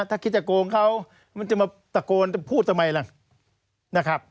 ถ้าคิดจะโกงเขามันจะมาตะโกนพูดทำไมล่ะนะครับ